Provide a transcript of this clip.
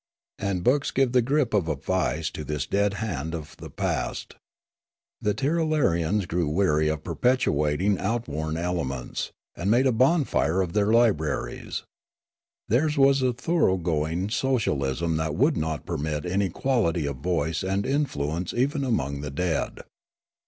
And books give the grip of a vice to this dead hand of the past. The Tirralarians grew weary of perpetuating outworn elements, and made a bonfire of their libraries. Theirs was thoroughgoing socialism that would not permit inequality of voice and influence even among the dead.